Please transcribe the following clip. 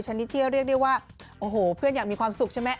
ชนิดที่เรียกได้ว่าโอ้โหเพื่อนอยากมีความสุขใช่ไหม